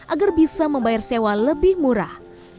agar bisa membayar sewa lebih murah